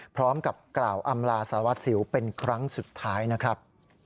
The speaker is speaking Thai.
พร้อมกับกล่าวอำลาสารวัสสิวเป็นครั้งสุดท้ายนะครับ